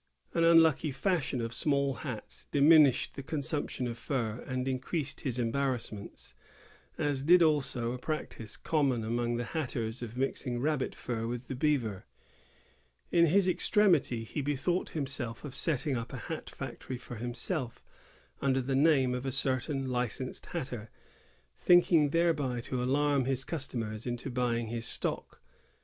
An unlucky fashion of small hats diminished the con sumption of fur and increased his embarrassments, as did also a practice common among the hatters of mixing rabbit fur with the beaver. In his extremity he bethought him of setting up a hat factory for him self, under the name of a certain licensed hatter, thinking thereby to alarm his customers into buying his stock.